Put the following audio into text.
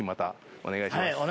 お願いします。